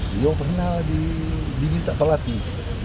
dia pernah diminta pelatih